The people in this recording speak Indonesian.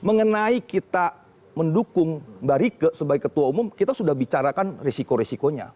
mengenai kita mendukung mbak rike sebagai ketua umum kita sudah bicarakan risiko risikonya